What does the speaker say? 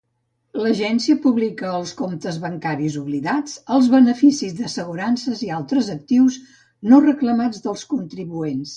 L'Agència publica els comptes bancaris oblidats, els beneficis d'assegurances i altres actius no reclamats dels contribuents.